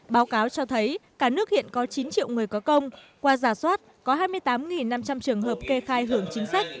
báo cáo cho thấy cả nước hiện có chín triệu người có công qua giả soát có hai mươi tám năm trăm linh trường hợp kê khai hưởng chính sách